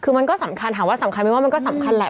คือมันก็สำคัญถามว่าสำคัญไหมว่ามันก็สำคัญแหละ